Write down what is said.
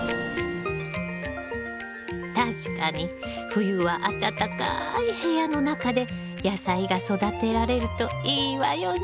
確かに冬は暖かい部屋の中で野菜が育てられるといいわよね。